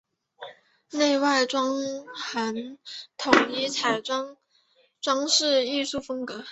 内外装潢统一采用装饰艺术风格。